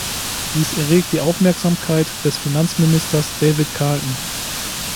Dies erregt die Aufmerksamkeit des Finanzministers David Carlton.